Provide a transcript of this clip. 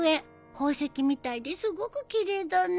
宝石みたいですごく奇麗だね。